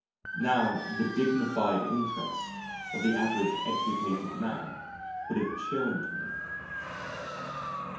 Now the dignified interest of the average educated man would have chilled me.